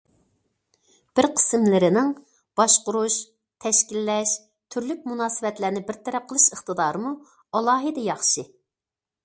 بىر قىسىملىرىنىڭ باشقۇرۇش، تەشكىللەش، تۈرلۈك مۇناسىۋەتلەرنى بىر تەرەپ قىلىش ئىقتىدارىمۇ ئالاھىدە ياخشى.